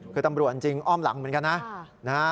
คือตำรวจจริงอ้อมหลังเหมือนกันนะ